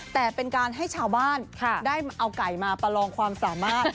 แต่เป็นการให้ชาวบ้านได้เอาไก่มาประลองความสามารถ